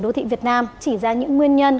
đô thị việt nam chỉ ra những nguyên nhân